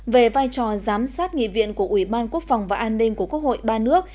về vai trò giám sát nghị viện của ủy ban quốc phòng và an ninh của quốc hội ba nước